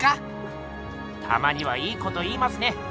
たまにはいいこと言いますね。